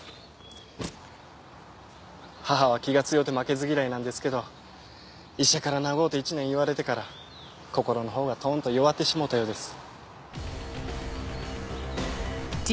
母は気が強うて負けず嫌いなんですけど医者から長うて１年言われてから心のほうがとんと弱ってしもうたようです。